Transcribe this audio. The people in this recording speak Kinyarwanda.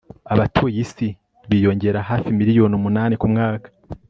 abatuye isi biyongera hafi miliyoni umunani ku mwaka